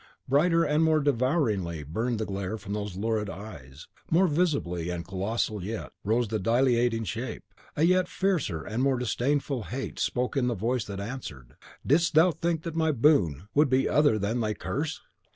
Brighter and more devouringly burned the glare from those lurid eyes; more visible and colossal yet rose the dilating shape; a yet fiercer and more disdainful hate spoke in the voice that answered, "Didst thou think that my boon would be other than thy curse?